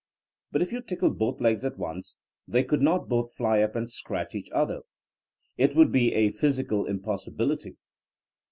But if you tickled both legs at once they could not both fly up and scratch each other. It would be a phys ical impossibility.